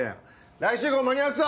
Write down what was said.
来週号間に合わすぞ！